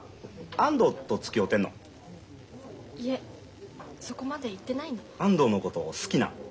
安藤のこと好きなん？